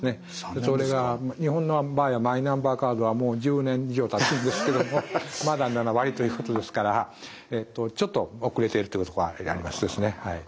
それが日本の場合はマイナンバーカードはもう１０年以上たつんですけどまだ７割ということですからちょっと遅れているというところがあります。